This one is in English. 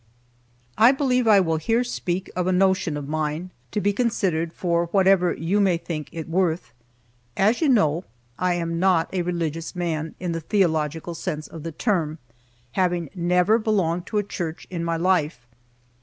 I believe I will here speak of a notion of mine, to be considered for whatever you may think it worth. As you know, I am not a religious man, in the theological sense of the term, having never belonged to a church in my life.